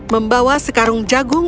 membawa sekarung jagung